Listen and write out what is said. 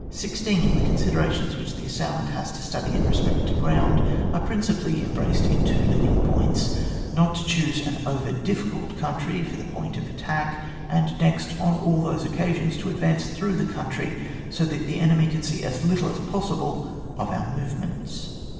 16. The considerations which the as sailant has to study in respect to groundi are principally embraced in two leading points: not to choose an over difficult countxy for the point of attack ; and next, on all occasions to advance through the countxy so that the enemy can see as little as possible of our movements.